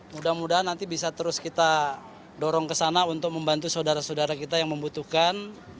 mudah mudahan nanti bisa terus kita dorong ke sana untuk membantu saudara saudara kita yang membutuhkan